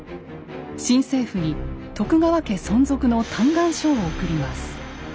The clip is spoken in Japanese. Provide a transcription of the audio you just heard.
新政府に徳川家存続の嘆願書を送ります。